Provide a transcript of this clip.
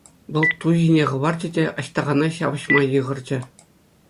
Вӑл ту ҫине хӑпарчӗ те Аҫтахана ҫапӑҫма йыхӑрчӗ.